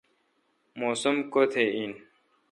موسم کوتھ این۔